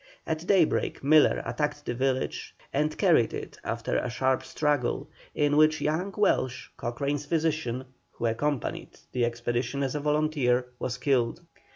At daybreak Miller attacked the village, and carried it after a sharp struggle, in which young Welsh, Cochrane's physician, who accompanied the expedition as a volunteer, was killed.